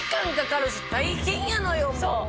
そう！